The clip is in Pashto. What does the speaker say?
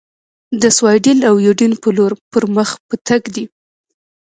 د سیوایډل او یوډین په لور پر مخ په تګ دي.